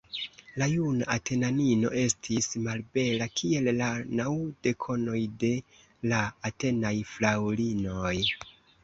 La juna Atenanino estis malbela, kiel la naŭ dekonoj de la Atenaj fraŭlinoj.